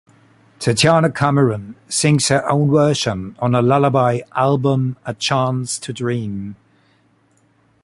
Tatiana Cameron sings her own version on her lullaby album "A Chance to Dream".